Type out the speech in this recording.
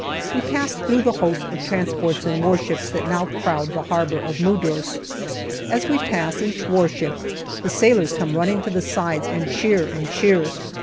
We pass through the host of transports and warships that now crowd the harbour of Mudros. As we pass each warship the sailors come running to the sides and cheer and cheer.